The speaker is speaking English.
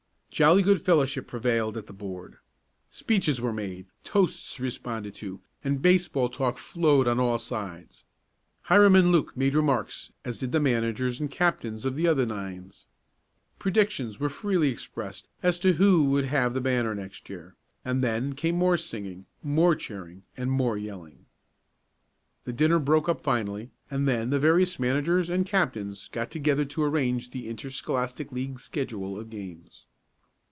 Jolly good fellowship prevailed at the board. Speeches were made, toasts responded to, and baseball talk flowed on all sides. Hiram and Luke made remarks, as did the managers and captains of the other nines. Predictions were freely expressed as to who would have the banner the next year, and then came more singing, more cheering and more yelling. The dinner broke up finally, and then the various managers and captains got together to arrange the Interscholastic League schedule of games.